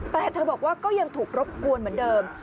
แต่เธอบอกว่าก็ยังถูกรบกวนเหมือนเดิม